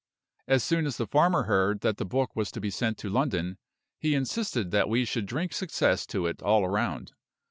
As soon as the farmer heard that the book was to be sent to London, he insisted that we should drink success to it all round.